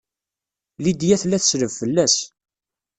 Lydia tella tesleb fell-as.